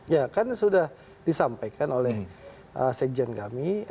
ya kan sudah disampaikan oleh sekjen kami